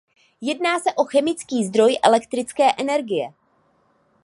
Jedná se o chemický zdroj elektrické energie.